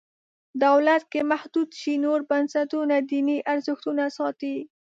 دولت که محدود شي نور بنسټونه دیني ارزښتونه ساتي.